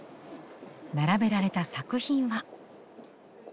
並べられた作品は？